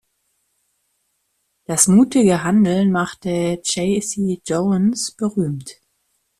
Das mutige Handeln machte Casey Jones berühmt.